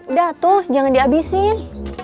udah tuh jangan di abisin